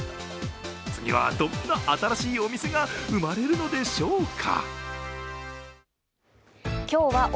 次はどんな新しいお店が生まれるのでしょうか。